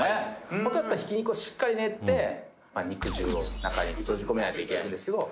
「本当だったらひき肉をしっかり練って肉汁を中に閉じ込めないといけないんですけど」